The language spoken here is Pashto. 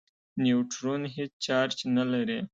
نیوټرون هېڅ چارج نه لري.